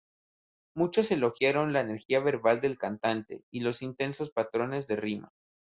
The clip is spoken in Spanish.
Muchos elogiaron la energía verbal del cantante y los intensos patrones de rima.